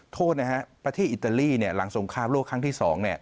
โทษนะฮะประเทศอิตาลีหลังสงครามโลกครั้งที่๒